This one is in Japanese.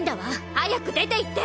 早く出ていって！